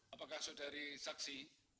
apakah saudari saksi